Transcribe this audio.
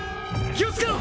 気を付けろ！